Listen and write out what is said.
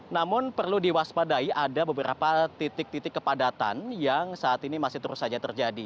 namun perlu diwaspadai ada beberapa titik titik kepadatan yang saat ini masih terus saja terjadi